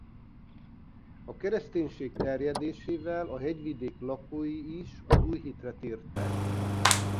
A kereszténység terjedésével a hegyvidék lakói is az új hitre tértek.